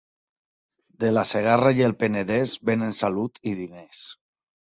De la Segarra i el Penedès venen salut i diners.